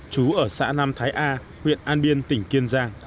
chú ở xã nam thái a huyện an biên tỉnh kiên giang